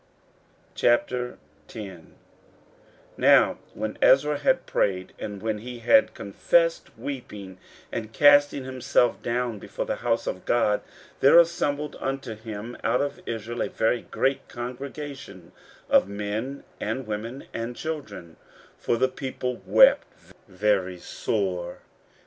15:010:001 Now when Ezra had prayed, and when he had confessed, weeping and casting himself down before the house of God, there assembled unto him out of Israel a very great congregation of men and women and children: for the people wept very sore.